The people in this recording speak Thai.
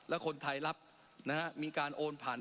แล้วคนไทยรับมีการโอนผ่าน